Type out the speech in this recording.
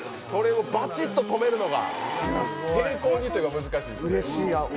バチっととめるのが平行にというのが難しいんですね。